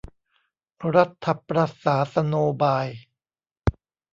รัฐประศาสโนบาย